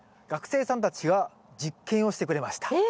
学生さんたちが実験をしてくれました。